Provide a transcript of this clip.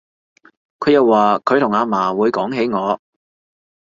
佢又話佢同阿嫲會講起我